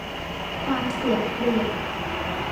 ความเสียเปรียบ